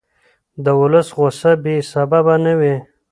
د ولس غوسه بې سببه نه وي